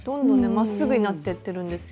まっすぐになってってるんですよ。